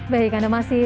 baik anda masih